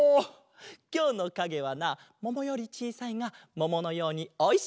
きょうのかげはなももよりちいさいがもものようにおいしいあれだぞ！